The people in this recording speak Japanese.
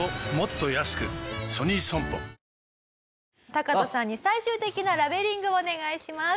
タカトさんに最終的なラベリングをお願いします。